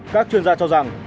các chuyên gia cho rằng